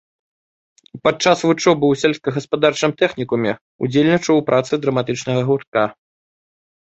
Падчас вучобы ў сельскагаспадарчым тэхнікуме ўдзельнічаў у працы драматычнага гуртка.